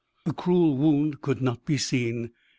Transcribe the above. The cruel wound could not be seen.